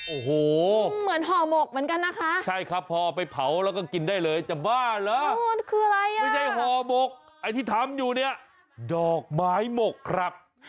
โอ้โหเหมือนห่อหมกเหมือนกันนะคะใช่ครับพอไปเผาแล้วก็กินได้เลยจะบ้าเหรอคืออะไรอ่ะไม่ใช่ห่อหมกไอ้ที่ทำอยู่เนี่ยดอกไม้หมกครับ